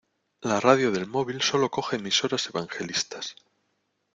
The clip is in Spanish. La radio del móvil sólo coge emisoras evangelistas.